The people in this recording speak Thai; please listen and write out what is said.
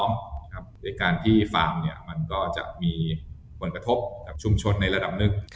ในการที่ฟาร์มมันจะมีผลประทบกับชุมชนในระดับนึก